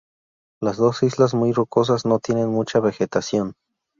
Las dos islas, muy rocosas, no tienen mucha vegetación.